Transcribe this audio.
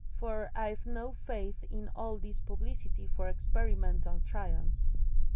For I've no faith in all this publicity for experimental trials."